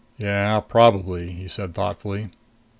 "Yeah, probably," he said thoughtfully.